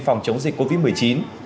phòng chống dịch covid một mươi chín